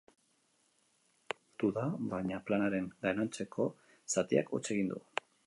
Azken hori lortu du, baina planaren gainontzeko zatiak huts egin du.